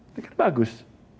itu kan bagus